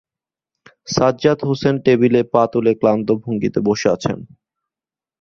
সাজ্জাদ হোসেন টেবিলে পা তুলে ক্লান্ত ভঙ্গিতে বসে আছেন।